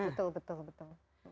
iya betul betul